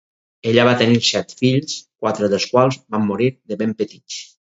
Ella va tenir set fills, quatre dels quals van morir de ben petits.